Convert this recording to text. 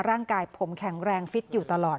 ร่างกายผมแข็งแรงฟิตอยู่ตลอด